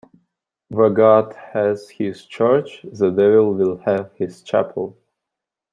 Where God has his church, the devil will have his chapel.